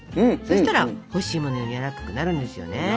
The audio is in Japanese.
そしたら干し芋のようにやわらかくなるんですよね。